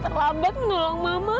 terlambat menolong mama